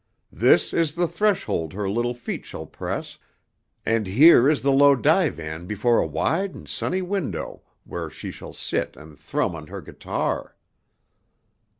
This is the threshold her little feet shall press, and here is the low divan before a wide and sunny window where she shall sit and thrum on her guitar."